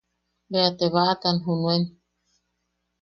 Bea te baʼatan junuen.